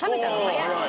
早い。